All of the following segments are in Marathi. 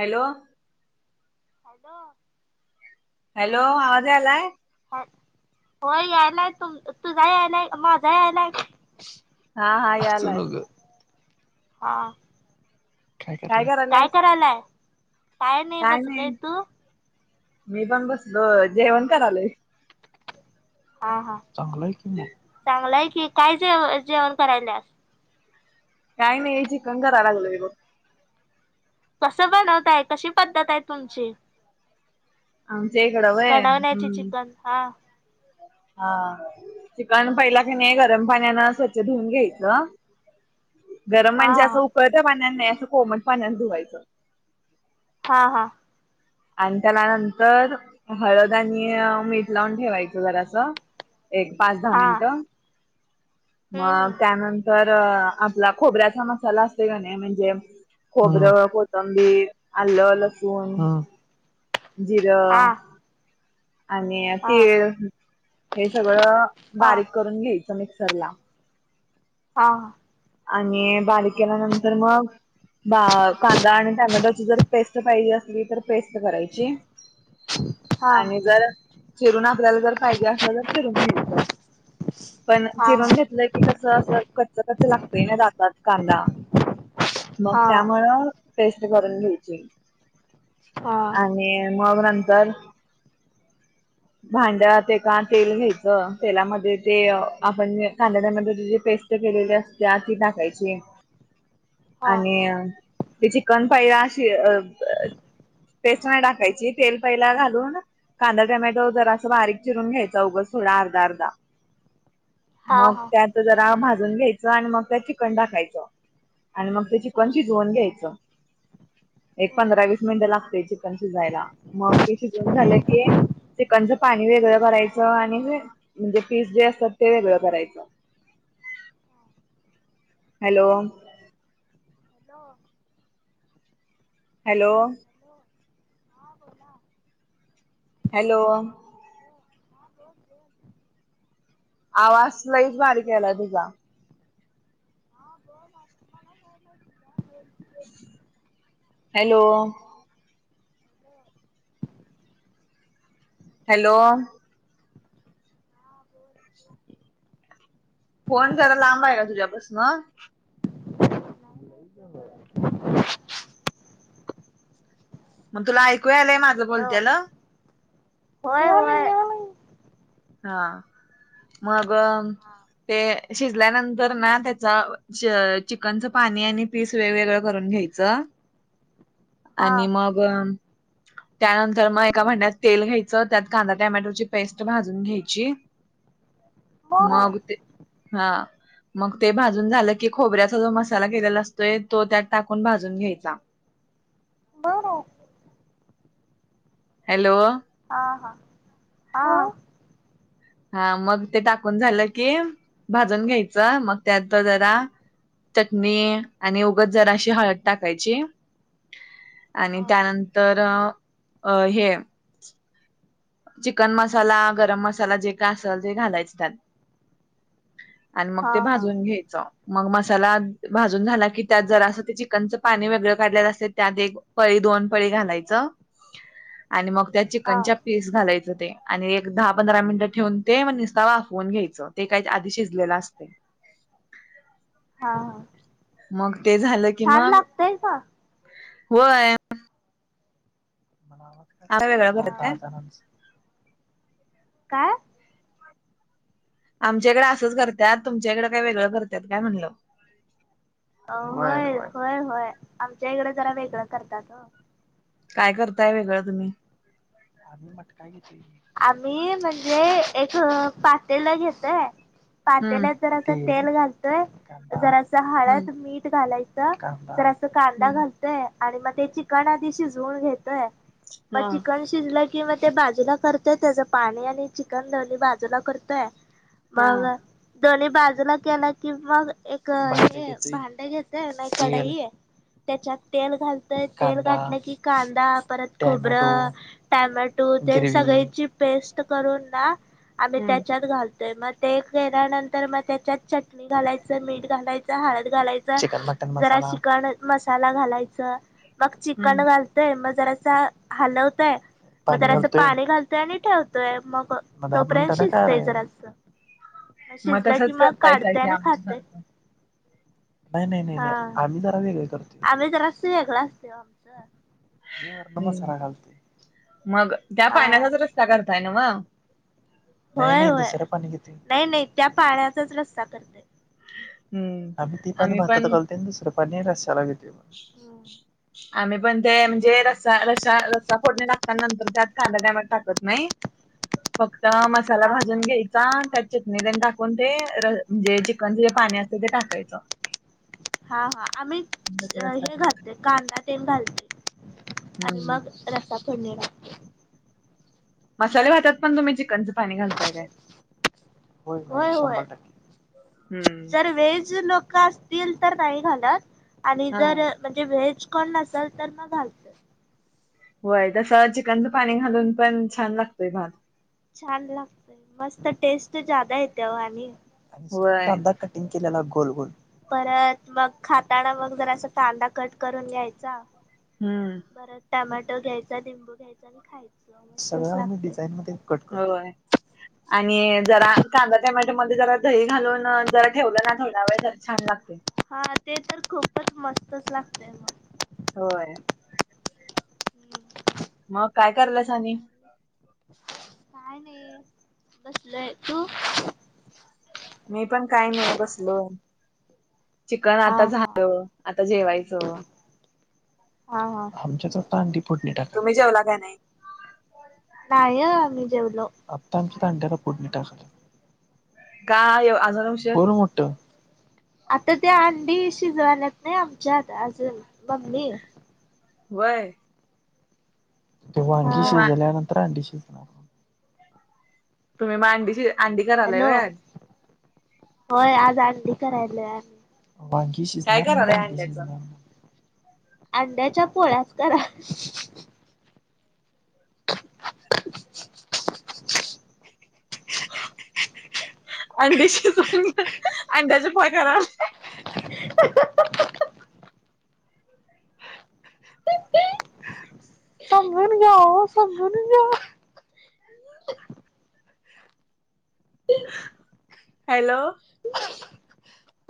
हॅलो हॅलो हॅलो आवाज यालाय? होय यायलाय तुम तुझा यायलाय का माझा यायलाय का? हा हा यालाय. हा काय करायलाय? काय नाही मी पण बसलो जेवण करालोय हा हा चांगल आहे की म चांगलंय की काय जेव-जेवण करायल्यात? काय नाही चिकन करायला लागलोय बघ कसं बनवताय कशी पद्धत आहे तुमची? आमच्या ईकड वय बनवण्याची हम्म चिकन हा हा. चिकन पहिला की नाही गरम पाण्यान स्वच्छ धुऊन घ्यायचं. गरम हा म्हणजे असं उकळत्या पाण्याने नाही असं कोमट पाण्याने धुवायचं हा हा आण त्याला नं तर हळद आणि मीठ लावून ठेवायचं जरास एक पाच दहा हा मिनिटं हम्म मग हम्म त्यानंतर आपला खोबऱ्याचा मसाला असते का नाही म्हणजे हम्म खोबरं कोथंबीर अल्ल लसू सून हम्म जिर हा आणि हा तीळ हे सगळं हा बारीक करून घ्यायच मिक्सर ला आहा आणि बारीक केल्यानंतर मग बा कांदा आणि टमॅटोची जर पेस्ट पाहिजे असली तर पेस्ट करायची हा आणि जर चिरून आपल्याला जर पाहिजे असलं तर चिरून मिळतं. पण हा चिरून घेत की कस अस कचं कचं लागतय ना दातात कांदा मग त्याम हा पेस्ट करून घ्यायची हा आणि मग नंतर भांड्यात एका तेल घ्यायचं तेलामध्ये ते आपण जे कांदा टोमॅटोची जी पेस्ट केलेली असते ती टाकायची हा आणि ते चिकन पाय अशी अ प पेस्ट नाही टाकायची तेल पहिला घालून कांदा टोमॅटो जरासं बारीक चिरून घ्यायचा उगचं थोडा अर्धा अर्धा. हा मग हा त्यात जरा भाजून घ्यायचं आणि मग त्यात चिकन टाकायचं. आणि मग ते चिकन हम्म शिजवून घ्यायचं. एक हम्म पंधरा वीस मिनिटं लागतय चिकन शिजायला मग ते शिजवून झालं कि चिकनचं पाणी वेगळं करायचं आणि हे म्हणजे पिस जे असतात ते वेगळं करायचं. हॅलो. हॅलो. हॅलो. हॅलो हां बोला. हॅलो. हॅलो हां बोल बोल. आवाज लईच बारीक यायलाय तुझा. हा बोल आप मला यायलाय तुझा बोल. हॅलो. हॅलो. हॅलो. फोन जरा लांबय का तुझ्यापसन? लईच चंगळय. आण तुला ऐकू यायलंय माझ. हॅलो होय होय. हा मग अम. ते शिजल्यानंतर ना त्याचा चे अ चिकनचं पाणी आणि पीस वेगवेगळं करून घ्याय आ हा आणि मग हाम त्यानंतर मग एका भांड्यात तेल घ्यायचं त्यात कांदा टोमॅटोची पेस्ट भाज जून घ्यायची हम्म मग ते हा. मग ते भाजून झालं की खोबऱ्याचा जो मसाला केलेला असतोय तो त्यात टाकून भाजून घ्यायचा. बर. हॅलो. हा हा हो हा. हा मग ते टाकून झालं की भाजून घ्यायचं मग त्यात जरा चटणी आणि उगच जराशी हळद टाकायची. आणि हा त्यानंतर अ हे चिकन मसाला, गरम मसाला जे काय असल ते घालायच त्यात. आणि मग हा ते हा भाजून घ्यायचं. मग मसाला भाजून झाला की त्यात जरासं ते चिकनचं पाणी वेगळं काढलेलं असतय त्यात एक पळी दोन पळी घालायचं आणि मग त्या हा चिकनच्या पीस घालायचं ते आणि एक दहा पंधरा मिनिटं ठेवून ते म निस्ता वाफवून घ्यायचं. ते काय आधी शिजलेला असतोय. हा हा. मग ते झालं की छान मग लागतय का? होय. बनावट. हार वेगळ झालेत काय? काय. आमच्याकडं असंच करत्यात तुमच्याकडं काही वेगळं करत्यात काय म्हणलं. अ होय होय होय आमच्या इकडं जरा वेगळं करत्यात ओ. काय करताय वेगळं तुम्ही. आम्ही मटका घेत आम्ही म्हणजे, एक पातेल घेतोय. हम्म पातेल्यात जरास तेल घालतोय, जरासं हम्म हळद मीठ घालायचं जरास. कांदा हम्म घालतोय आणि मग ते चिकन आधी शिजवून घेतोय मग हा चिकन शि शिजलं कि म ते बाजूला करतय त्याचं पाणी आणि चिकन दली बाजूला करतोय. हा मंग, दोन्ही बाजूला केलं की, मग एक हे भांड घेतोय नाही कडइ. तेच्यात तेल घालतोय, तेल घातलं की कांदा परत खोबरं. टोमॅटो ते सगळीची पेस्ट करून ना, आम्ही हम्म त्यांच्यात घालतोय मग. ते केल्यानंतर मग तेच्यात चट पाणी घालायचं, मीठ घालायचं, हळद घालायचं जरा चिकण मसाला घालायचं. मग चिकन हम्म घालतोय, मग जरास हलवतोय. मग हम्म जरासं पाणी घाल तय आणि ठेवतोय, मग तोपर्यंत शिजतय जरासं. मग शिजला की, तसच मग करतायसा काढतोय की आणि खातोय. आमच्यासारखं. नाही नाही नाही नाही, आम्ही जरा वेगळे करतो. आम्ही जरासं वेगळ असतोय ओ. [inaudible] मी वरण हम्म मसाला घालतोय. मग त्या हा पाण्याचाच रस्सा करताय नवं. होय होय, नाही नाही त्या पाण्याचाच रस्सा करतोय. हम्म आम्ही ते पाणी भातात घालतोय, आणि दुसरं पाणी रश्याला घेतोय बग. [inaudible] आम्ही पण ते म्हणजे रस्सा रस्सा, रस्सा फोडणी टाकता नंतर त्यात कांदा टोमॅटो टाकत नाही. फक्त मसाला हा हा भाजून घ्याय चा त्यात चटणी टाकून ते म्हणजे, चिकनच जे पाणी असत ते टाकायचं. हा हा, आम्ही तसं रस्सा हे करतोय घालतोय कांदा तेन घालतोय. आणि हम्म मग रसा फोडनीला. मसाले भातात पण तुम्ही, चिकनचं पाणी घालताय काय. होय होय, हम्म जर व्हेज लोक अस तील तर नाही घालात. आणि हा जर म्हणजे व्हेज कोण नसल तर मग घालतोय. होय, तसं चिकनचं पाणी घालून पण छान लागतोय भात. छान लागतंय, मस्त टेस्ट जादा येत्या. ओ आणि सोबत होय कांदा क इन केलेला गोल गोल. परत मग खाताना मग जरासा, कांदा कट करून घ्यायचा. हम्म. बरं टोमाॅटो घ्यायचा, लिंबू घ्यायचा आणि खायच. डिझान मधे. होय. आणि जरा कांदा टोमॅटो मध्ये, जरा दही घालून जरा ठेवलं ना थोडा वेळ तर छान लागते. हा, ते तर खूपच मस्तच लागते मग. होय. मग मग काय कराल्यास अणी. काय नाही बसलंय तू. मी पण काही नाही बसलो. चिकन हा आता हा झालं, आता जेवायचं. हां हां, आमच्या आता अंडी. फोडणी टाकाल्यात तुम्ही जेवला काय नाही. नाहीय आम्ही जेवलो, आत्ता आमच्या अंड्याला फोढणी टाकल्यात. का एव अजून [unintelligible] उशीर मोठ. आता त्या अंडी शिजवाल्यात नाही आमच्यात अजून मम्मी. वय तेव्हा अंडी तुम्ही मा शिजल्यानंतर अंडीशी तुम्ही म अडीशी अंडी करायला हॅलो व्हय आज. होय आज अंडी करायले आम्ही. ही काय शिजणार मग करायलाय अंडी अंड्याचं शिजणार अंड्याच्या पोळ्यात करा. [inaudible] अंडी शिजवून [unintelligible] [unintelligible] [unintelligible] हॅलो.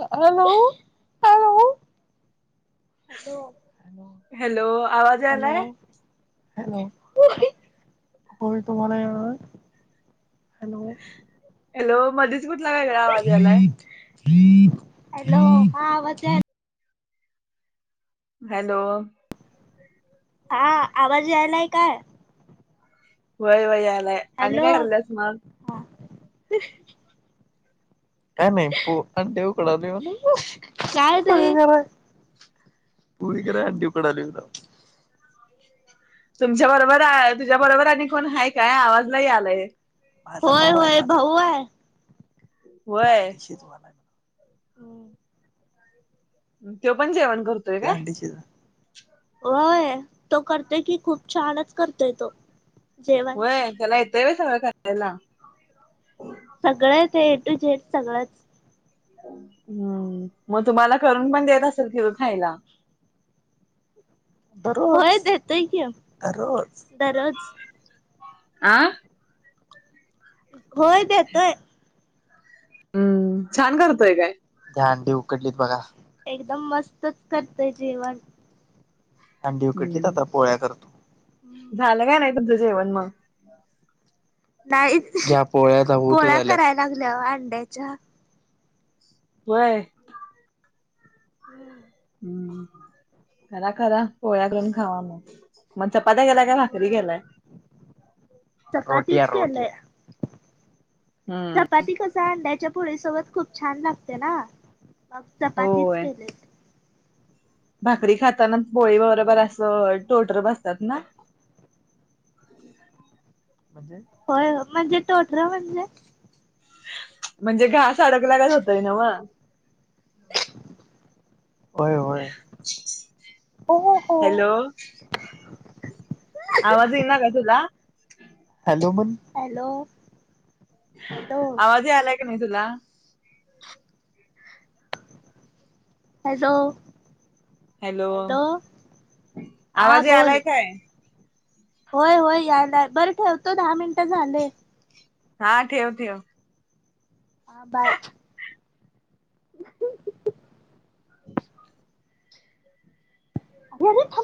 अ hello. Hello. Hello hello hello आवाज कलो. यालाय हॅलो होय तुम्हाला यावा हॅलो. हॅलो मध्येच कुठला वेगळा आवाज यालाय? हॅलो हा आवाज याय हॅलो. हा आवाज यायलाय काय? वय वय यायलाय. हॅलो हा. काय माही पू अंडे उकडाले म्हणे. पुडी कराय अंडी उकडाली नाव. तुमच्या बरोबर तुझ्या बरोबर आणि कोण हाय का आवाज नाही आलाय. होय होय भाऊ आहे. वय हम्म. त्यो पण जेवण कर वय तो करतेय कि खूप छानच करतय तो. जेवण. व्हय त्याला येतोय ब सगळ्या करायला. सगळं ते ए टू झेड सगळंच. हम्म मग तुम्हाला करून पण देत असेल तीव खायला. होय देतोय की दररोज दररोज. आं होय देेतोय. हम्म छान करतोय काय? त्द्या अंडी उकडलीत बघा एकदम मस्त करतय जेवण. अंडी उकडलीत हम्म आता पोळ्या करतो. झालं काय नाय तुमचं जेवण म? नाहीत पोळ्या कराय लागल्या अंड्याच्या. व्हय हम्म. हम्म खरा खरा पोळ्या करून खावा म. मग चपात्या गेलाय का भारी गेलाय? चपातीचं केलय हम्म चपाती कसं चा अंड्याच्या पुोळीसोबत खूप छान लागते ना मग चपातीच होय केले. भाकरी खाताना बोळी वगरे बरं असं टोटर बसतात ना. होय म्हणजे टोठरा म्हणजे म्हणजे घास अडगलाग होतय ना वा. होय होय. हो हो. हॅलो. [inaudible] आवाज येईना का तुला? हॅलो म्हण हॅलो. हॅलो आवाज यायलय की नाही तुला? हॅलो. हॅलो हा आवाज आलाय बोल. काय? होय होय यायला बरं ठेवतो दहा मिनटं झाले. हा ठेव ठेव. बारय. [inaudible] [inaudible] घरी थाब.